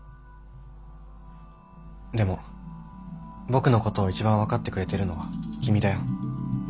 でも僕のことを一番分かってくれてるのは君だよ。